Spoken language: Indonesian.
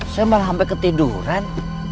saya malah sampai ketiduran